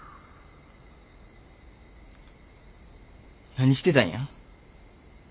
何してたんや？